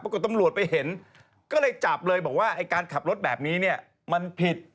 ตำรวจไปเห็นก็เลยจับเลยบอกว่าไอ้การขับรถแบบนี้เนี่ยมันผิด